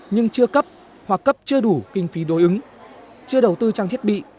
nhưng chưa cấp hoặc cấp chưa đủ kinh phí đối ứng chưa đầu tư trang thiết bị